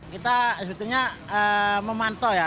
kita sebetulnya memantau ya